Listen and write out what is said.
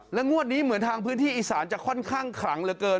งวดนี้เหมือนทางพื้นที่อีสานจะค่อนข้างขลังเหลือเกิน